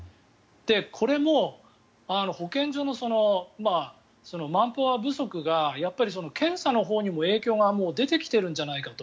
これも保健所のマンパワー不足がやっぱり検査のほうにも影響がもう出てきているんじゃないかと。